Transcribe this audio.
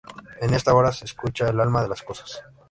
En esta hora... se escucha el alma de las cosas".